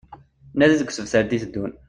Nadi deg usebter d-iteddun